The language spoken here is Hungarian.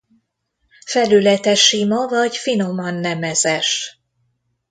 Felülete sima vagy finoman nemezes.